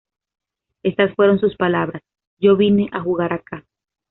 Estas fueron sus palabras:"Yo vine a jugar acá.